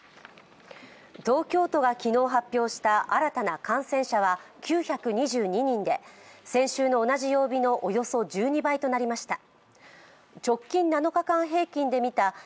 東京都が昨日発表した新たな感染者は９２２人で、先週の同じ曜日のおよそ１２倍となりました。